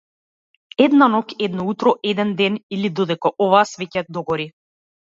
Една ноќ, едно утро, еден ден или додека оваа свеќа догори?